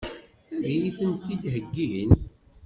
Ad iyi-tent-id-heggin?